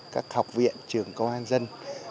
các học viện trường công an dân